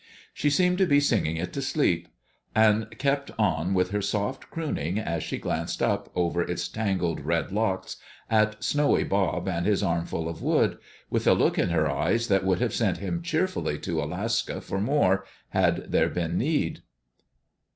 She seemed to be singing it to sleep, and kept on with her soft crooning as she glanced up over its tangled red locks at snowy Bob and his armful of wood, with a look in her eyes that would have sent him cheerfully to Alaska for more, had there been need.